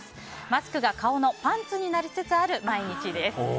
マスクが顔のパンツになりつつある毎日です。